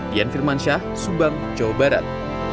dian firman syah subang jawa barat